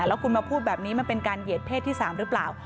แล้วคุณมาพูดแบบนี้มันเป็นการเหยียดเพศที่๓หรือเปล่า